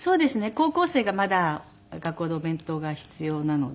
高校生がまだ学校のお弁当が必要なので。